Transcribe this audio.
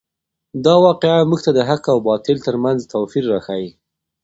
دا واقعه موږ ته د حق او باطل تر منځ توپیر راښیي.